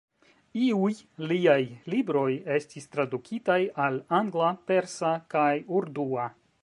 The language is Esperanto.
Iuj liaj libroj estis tradukitaj al angla, persa kaj urdua.